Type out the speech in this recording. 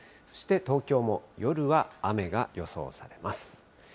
そして東京も夜は雨が予想されます。